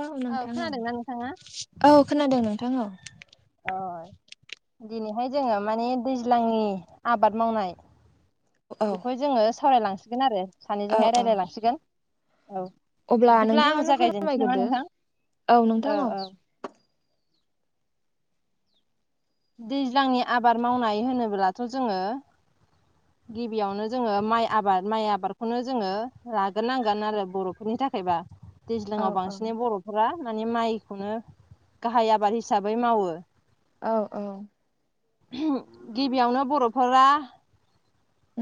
औ नोंथां। खोनादोंना नोंथाङा औ खोनादों नोंथां औ। [inaudible] दिनैहाय जोङो माने दैज्लांनि आबाद मावनाय औ बेखौ जोङो सावरायलांसिगोन आरो औ सानैजोंहाय औ रायज्लाय लांसिगोन। अब्ला नोंथाङानो जागायजेननोसै नामा फोरमायग्रोदो। नोंथां औ नोंथां औ। दैज्लांनि आबार मावनाय होनोब्लाथ' जोङो गिबियावनो जोङो माइ आबाद माइ आबादखौनो जोङो लाग्रोनांगोन आरो बर'फोरनि थाखायबा औ दैज्लाङाव औ बांसिनै बर'फोरा माने माइखौनो गाहाइ आबाद हिसाबै मावो औ औ। गिबियावनो बर'फोरा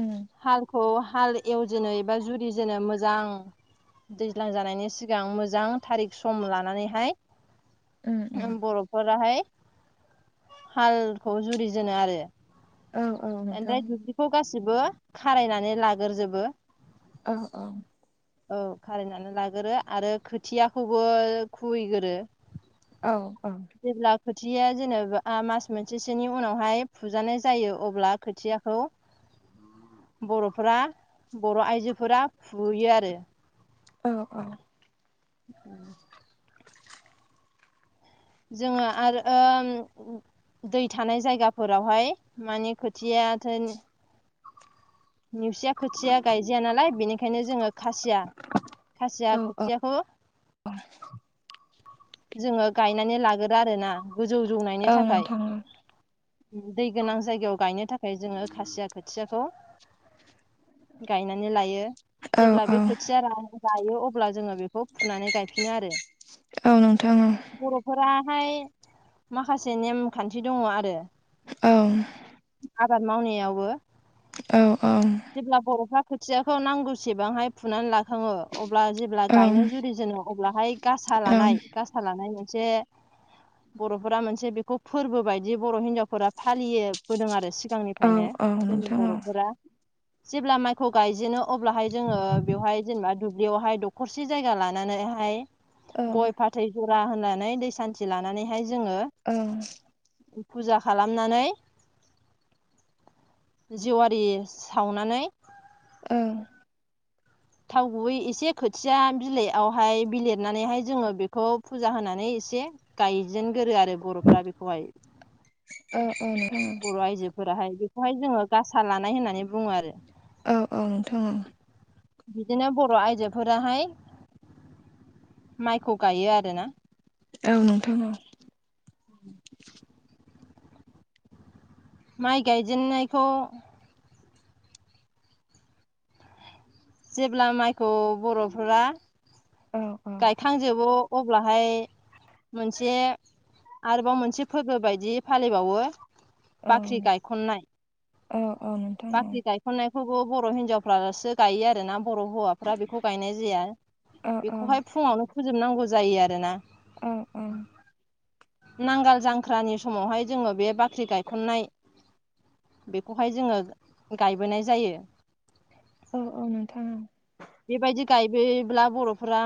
उम हालखौ हाल एवजेनो एबा जुरिजेनो मोजां दैज्लां जानायनि सिगां मोजां थारिख सम लानानैहाय उम उम [unintelligible] बर'फोराहाय हालखौ जुरिजेनो आरो। औ औ नोंथां ओमफ्राय दुब्लिखौ गासिबो खारायनानै लाग्रोजोबो। औ औ। औ खाराइनानै लागोरो आरो खोथियाखौबो खुबैगोरो। औ औ। औ जेब्ला खोथियाया जेनेबा मास मोनसेसोनि उनावहाय फुजानाय जायो अब्ला खोथिया खौ बर'फोरा बर' आइजोफोरा फुयो आरो। औ औ। [inaudible] जोङो [unintelligible] दै थानाय जायगाफोरावहाय माने खोथिया थोन नेवसिया खोथिया गायजाया नालाय बेनिखायनो जोङो खासिया खासिया औ औ खोथियाखौ जोङो गायनानै लागोरो आरोना गोजौ जौनायनि औ थाखाय नोंथां दै गोनां जायगायाव गायनो थाखाय जोङो खासिया खोथियाखौ गायनानै लायो। औ जेब्ला बे औ खोथिया रायो अब्ला जोङो बेखौ फुनानै गायफिनो आरो। औ नोंथां औ बर'फोराहाय माखासे नेमखान्थि दङ आरो औ। आबाद मावनायावबो औ औ। जेब्ला बर'फ्रा खोथियाखौ नांगौसेबांहाय फुनानै ला खांङो अब्ला जेब्ला औ गायनो जुरिजेनो अब्लाहाय गासा लानाय औ ओमफ्राय मोनसे बर' फोरा मोनसे बेखौ फोरबो बायदि बर' हिनजावफोरा फालियोबोदों आरो सिगांनिफ्रायनो औ नोंथां औ औ जोंनि नोंथां बर'फोरा जेब्ला माइखौ गायजेनो अब्लाहाय जोङो बेवहाय जेनेबा दुब्लियावहाय दखरसे जायगा लानानैहाय औ। गय फाथै जरा होननानै दै सानति लानानै हाय औ। फुजा खालामनानै जेवारि सावनानै ओं। थाव गुबै एसे खोथिया बिलाइआवहाय बिलिरनानैहाय जोङो बेखौ फुजा होनानै एसे गायजेनगोरो आरो बर'फोरा बेखौहाय बर' आइजो फोराहाय बेखौहाय जोङो गासा लानाय होननानै बुङो आरो। औ औ नोंथां औ बिदिनो बर' आइजोफोराहाय माइखौ गायो आरोना। औ नोंथां औ [inaudible] माइ गायजेननायखौ जेब्ला माइखौ बर'फोरा औ गायखांजोबो अब्लाहाय मोनसे आरोबाव मोनसे फोरबो बायदि फालिबावो। औ बाख्रि गायखननाय औ नोंथां औ बाख्रि गायखन्नाय खौबो बर' हिनजावफ्रासो गायो आरोना, बर' हौवाफ्रा बेखौ गायनाय जाया। औ बेखौहाय फुङावनो फोजोबनांगौ जायो आरोना। औ नांगाल जांख्रानि समावहाय जोङो बे बाख्रि गायखननाय बेखौहाय जोङो गायबोनाय जायो। औ औ नोंथां औ बेबायदि गायबोब्ला बर'फोरा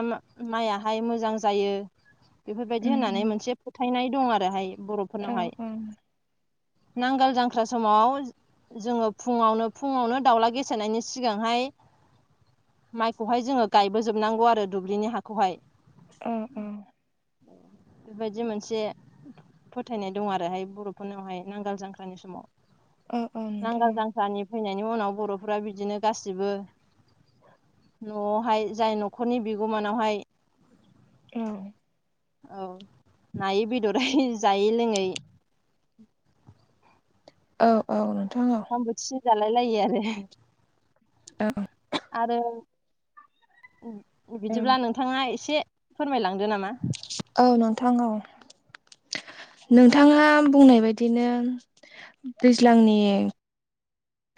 माइयाहाय मोजां जायो। बेफोरबायदि उम होननानै उम मोनसे फोथायनाय दं आरोहाय औ बर'फोरनावहाय। औ नांगोल जांख्रा समाव जोङो फुङावनो फुङावनो दाउला गेसेनायनि सिगांहाय माइखौहाय जोङो गायबोजोबनांगौ आरो दुब्लिनि हाखौहाय। औ औ बेबायदि मोनसे फोथायनाय दं आरोहाय बर'फोरनावहाय नांगाल जांख्रानि समाव। औ औ नोंथां नांगाल जांख्रानि फैनायनि उनाव बर'फोरा बिदिनो गासिबो न'आवहाय जाय न'खरनि बिगोमानावहाय औ औ नायै बेदरै जायै लोङै औ औ नोंथां औ जालायलायो आरो। आरो औ बिदिब्ला नोंथाङा एसे फोरमायलां। औ नोंथां औ नोंथाङा बुंनाय बायदिनो दैज्लांनि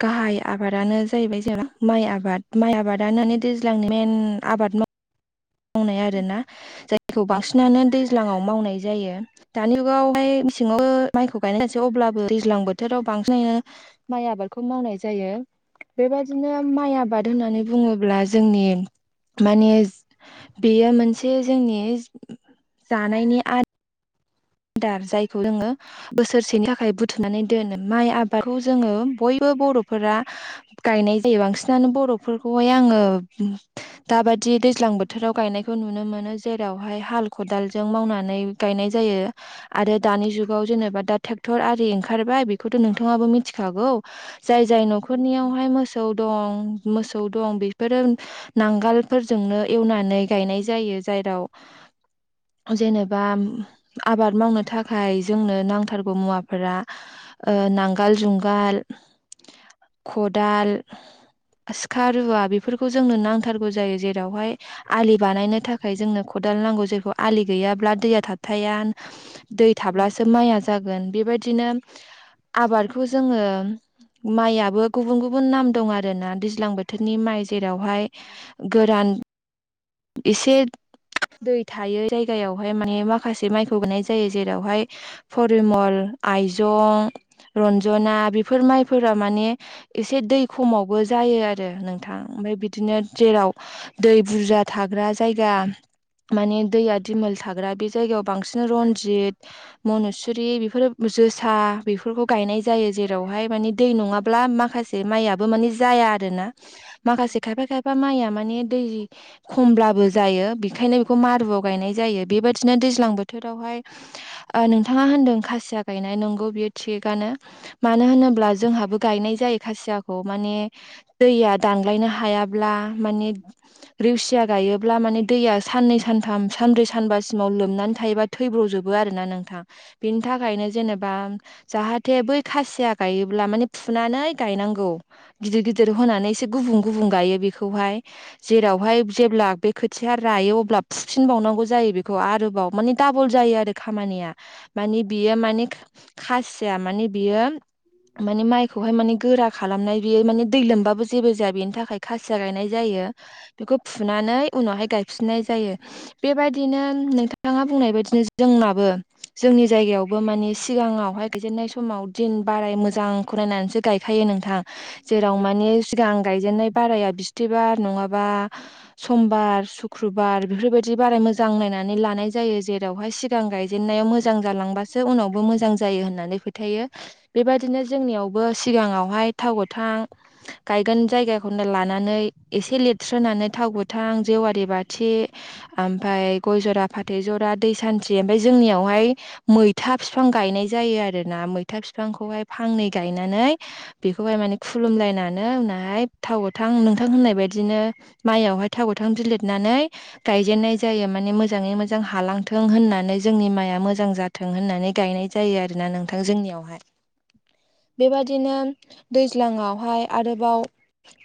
गाहाय आबादानो जाहैबाय जेना माइ आबाद माइ आबादानो दैज्लांनि मेन आबाद मावनाय आरोना। जायखौ बांसिनानो दैज्लाङाव मावनाय जायो। दानि जुगाव हाय मेसेंयावबो मायखौ गायनाय जासै अब्लाबो दैज्लां बोथोराव बांसिनैनो माइ आबादखौ मावनाय जायो। बेबादिनो माइ आबाद होननानै बुङोब्ला जोंनि मानि बेयो मोनसे जोंनि जानायनि आ दार जायखौ जोङो बोसोरसेनि थाखाय बुथुमनानै दोनो। माइ आबाद खौ जोङो बयबो बर'फोरा गायनाय जायो। बांसिनानो बर'फोरखौहाय आङो दा बायदि दैज्लां बोथोराव गायनायखौ नुनो मोनो जेरावहाय हाल खदालजों मावनानै गायनाय जायो। आरो दानि जुगाव जेनेबा दा ट्रेक्टर आरि ओंखारबाय बेखौथ' नोंथाङाबो मिथिखागौ जाय जाय न'खरनियावहाय मोसौ दं, मोसौ दं बेफोरो नांगालफोरजोंनो एवनानै गायनाय जायो। जाय जेराव जेनेबा आबाद मावनो थाखाय जोंनो नांथारगौ मुवाफोरा ओ नांगोल, जुंगाल, खदाल सिखा रुवा बेफोरखौ जोंनो नांथारगौ जायो जेरावहाय आलि बानायनो थाखाय जोंनो खदाल नांगौ जेखौ आलि गैयाब्ला दैया थाबथाया। दै थाब्लासो माइया जागोन बेबायदिनो आबादखौ जोङो माइय आबो गुबुन गुबुन नाम दं आरो ना दैज्लां बोथोरनि माइ जेरै जेरावहाय गोरान इसे दै थायो जायगायावहाय माने माखासे माइखौ गायनाय जायो जेरावहाय परिमल आइजं रन्जना बेफोर माइफोरा माने एसे दै खमावबो जा जायो आरो नोंथां ओमफ्राय बिदिनो जेराव दै बुरजा थाग्रा जायगा माने दैया दिमोल थाग्रा बे जायगायाव बांसिन रनजित मनुसुरि बेफोर जोसा बेफोरखौ गायनाय जायो जेरावहाय माने दै नङाब्ला माखासे माइयआो माने जाया आरो ना। माखासे खायफा खायफा माइया माने दै खमब्लाबो जायो। बेखायनो बेखौ मारुआव गायनाय जायो। बेबायादिनो दैज्लां बोथोरावहाय ओ नोंथाङा होनदों खासिया गायनाय नंगौ बियो थिगानो मानो होनोबा जोंहाबो गनाय जायो खासियाखौ माने दैया दानग्लायनो हा हायाब्ला माने खुथिया गायोब्ला माने दैया साननै सानथाम सानब्रै सानबासिमाव लोमनानै थायोबा थैब्र'जोबो आरो ना नोंथां। बिनि थाखायनो जेनेबा जाहाथ थे बै खासिया गायोब्ला माने फुनानै गायनांगौ गिदिर गिदिर होनानै एसे गुबुं गुबुं गायो बेखौ हाय जेराव बेवहाय जेब्ला बे खोथिया रायो अब्ला फुफिनबावनांगौ जायो बेखौ आरोबाव माने डाबल जायो आरो खामानिया। माने बियो माने खासिया माने बियो माने माइखौहाय माने गोरा खालामनाय बेयो माने दै लोमबाबो जेबो जाया बेनि थाखाय खासिया गायनाय जायो। बेखौ फुनानै उनावहाय गाय फिनाय जायो बेबायदिनो नोंथाङा बुंनाय बायदिनो जोंनावबो बो जोंनि जायगायावबो माने सिगाङावहाय बिदि माइ समाव दिन बाराय मोजांखौनायनानैसो गायखायो नोंथां। जेराव मानि सिगां गायजेननाय बाराया बिस्थिबार नङाबा समबार सुक्रुबार बेफोरबायदि बाराय मोजां नायनानै लानाय जायो। जेराव बेवहाय सिगां गायजेननायाव मोजां जालांबासो उनावबो मोजां जायो होननानै फैद फोथायो बेबायदिनो जोंनियावबो सिगाङावहाय थाव गोथां गायगोन जायगाखौ लानानै एसे लिरसो फोनानै थाव गोथां जेवारि बाथि ओमफ्राय गय जरा फाथै जरा दै सानथि बेनिफ्राय जोंनियावहाय मैथा बिफां गायनाय जायो आरो ना। मैथा बिफांखौहाय फांनै गाय गायनानै बेखौहाय माने खुलुमलायनानै उनावहाय थाव गोथां नोंथां होननाय बायदिनो माइयावहाय थाग'थां बि लिरनानै गायजेननाय जायो। माने मोजाङै मोजां हालांथों होनना नानै जोंनि माइआ मोजां जाथों होननानै गायनाय जायो आरोना नोंथां जोंनियावहाय। [inaudible] बेबादिनो दैज्लाङावहाय आरोबाव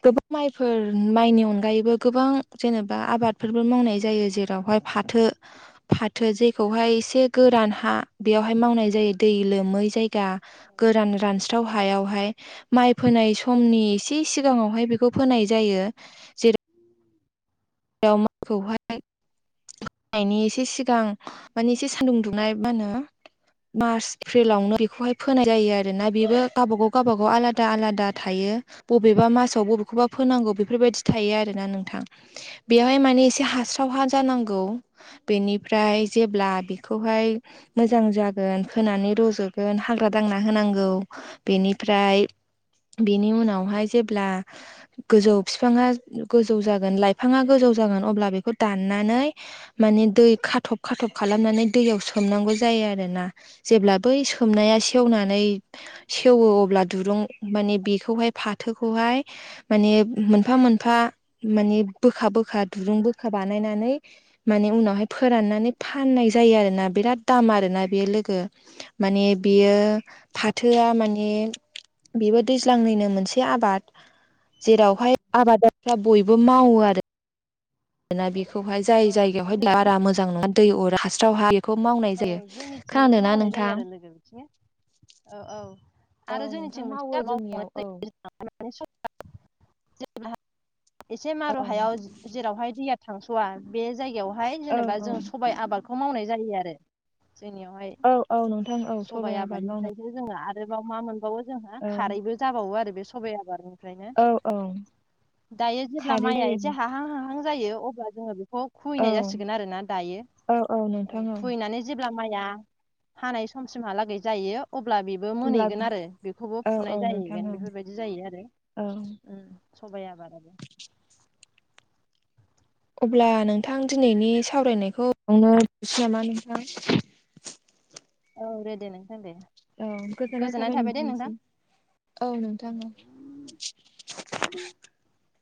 गोबां माइफोर माइनि अनगायैबो गोबां जेनेबा आबाद बफोरबो मावनाय जायो जेरावहाय फाथो फाथो जेखौहाय एसे गोरान हा बेयाव बेवहाय मावनाय जायो दै लोमै जायगा गोरान रानस्राव हायावहाय माइ फोनाय समनि एसे सिगाङावहाय बेखौ फोनाय जायो। जेर दावमाखौहाय होननायनि एसे सिगां माने एसे सानदुं दुंनाय मा होनो मार्च एप्रिलावनो बेखौहाय फोनाय जायो आरो ना बेबो गावबागाव गावबागाव आलादा आलादा थायो। बबेबा मासाव बबेखौबा फोनांगौ बेफोरबायदि थायो आरो ना नोंथां बेवहाय माने एसे हास थावहा जानांगौ। बेनिफ्राय जेब्ला खौहाय मोजां जागोन खोनानै रज'। गोन हाग्रा दांना होनांगौ बेनिफ्राय। बेनि उनावहाय जेब्ला गोजौ बिफाङा गोजौ जागोन लाइफां। बिफाङा गोजौ जागोन अब्ला बेखौ दाननानै माने दै खाथब-खाथब खालामनानै दैयाव सोम। मनांगौ जायो आरो ना। जेब्ला बै सोमनाया सेवनानै सेवो अब्ला दुरुं माने बे। बेखौहाय फाथोखौहाय माने मोनफा- मोनफा माने। बोखा-बोखा दुरुं बोखा बानायनानै माने उनावहाय फोराननानै फाननाय जायो आरोना बे। बिराद दाम आरोना बेयो लोगो माने बियो फाथोआ माने। बेबो दैज्लांनिनो मोनसे आबाद जेरावहाय आबादारिफ्रा बयबो। बो माववो आरो। दोना औ बेखौहाय जाय औ जायगायावहाय बिदिनो बारा मोजां नङा दै अर हास्रावहा बेखौ मावनाय जायो। थिंबो खोनादोंना मावनाय जायो नोंथां आरो लोगो बिथिंनो औ-औ। औ आरो जोंनिथिं नोंथां मावो जोंनियाव मोनसे औ [unintelligible] [unintelligible] जेब्ला एसे मारु औ हायाव जेरावहाय दैया। थांस'वा बे जायगायावहाय औ जेनेबा औ जों सबाय आबादखौ मावनाय जायो आरो। जोंनियावहाय औ औ नोंथां औ सबाइ आबाद मावनाय आबादनिफ्रायसो जोङो। आरोबाव मा मोनबावो जोंहा औ खारैबो जाबावो आरो बे सबाइ आबादनि। फ्रायनो औ औ दायो जेब्ला खारै माइआ जायो एसे हाहां- हाहां। जायो अब्ला जों बेखौ औ खुहैनाय जासिगोन आरोना दायो औ औ नोंथां औ खुहैनानै दायो। अब्ला माइया हानाय समसिमहालागै जायो। अब्ला बेबो अब्ला मोनहैगोन आरो बेखौबो औ औ फुनाय नोंथां जाहैगोन औ बेफोरबायदि जायो आरो। औ ओ सबाय आबाद। अब्ला नोंथां दिनैनि सावरायनायखौ [unintelligible] [inaudible] औ दे-दे नोंथां दे। औ गोजोननाय थाबाय नोंथांनिसिम औ नोंथां। [unintelligible]